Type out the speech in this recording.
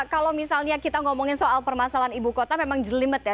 kalau misalnya kita ngomongin soal permasalahan ibu kota memang jelimet ya